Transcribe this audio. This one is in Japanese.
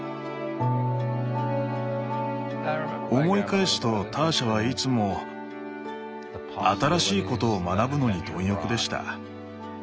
思い返すとターシャはいつも新しいことを学ぶのに貪欲でした。